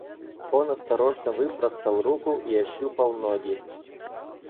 Он осторожно выпростал руку и ощупал ноги.